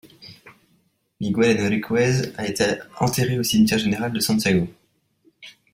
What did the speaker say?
Miguel Enríquez a été enterré au cimetière général de Santiago.